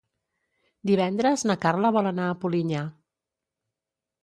Divendres na Carla vol anar a Polinyà.